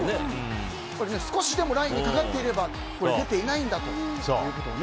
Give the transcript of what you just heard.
少しでもラインにかかっていれば出ていないんだということをね